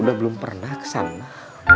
udah belum pernah kesana